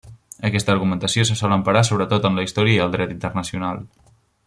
Aquesta argumentació se sol emparar sobretot en la història i el Dret Internacional.